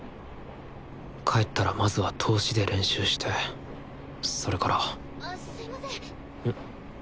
帰ったらまずは通しで練習してそれからあすいません。